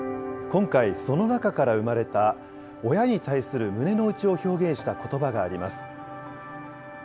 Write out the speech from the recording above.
今回、その中から生まれた、親に対する胸の内を表現したことばがあります。